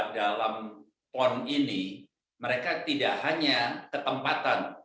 dalam pon ini mereka tidak hanya ketempatan